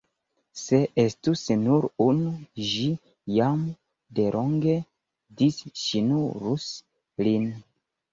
Se estus nur unu, ĝi jam delonge disŝirus lin.